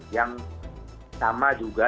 yang sama juga